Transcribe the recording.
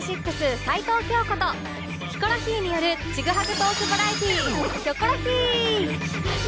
齊藤京子とヒコロヒーによるちぐはぐトークバラエティ